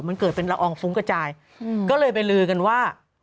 มันเกิดเป็นละอองฟุ้งกระจายก็เลยไปลือกันว่า